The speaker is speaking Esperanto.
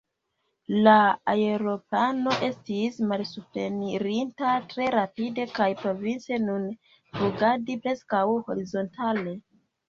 La aeroplano estis malsuprenirinta tre rapide kaj povis nun flugadi preskaŭ horizontale.